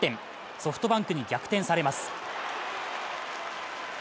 ソフトバンクに逆転されます。